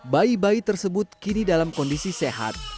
bayi bayi tersebut kini dalam kondisi sehat